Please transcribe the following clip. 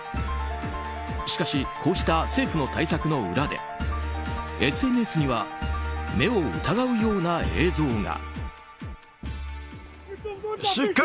しかしこうした政府の対策の裏でＳＮＳには目を疑うような映像が。